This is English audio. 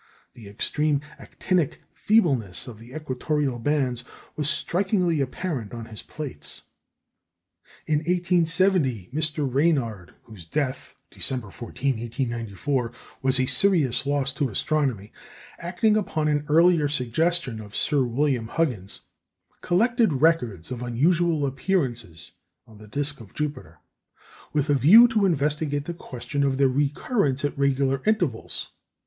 The extreme actinic feebleness of the equatorial bands was strikingly apparent on his plates. In 1870, Mr. Ranyard whose death, December 14, 1894, was a serious loss to astronomy acting upon an earlier suggestion of Sir William Huggins, collected records of unusual appearances on the disc of Jupiter, with a view to investigate the question of their recurrence at regular intervals.